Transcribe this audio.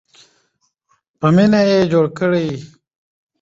په مینه یې جوړ کړئ.